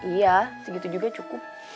iya segitu juga cukup